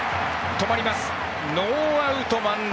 ノーアウト満塁。